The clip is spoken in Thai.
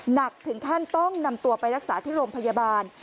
หนักถึงขั้นต้องนำตัวไปรักษาที่โรงพยาบาล